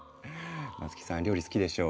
松木さん料理好きでしょう。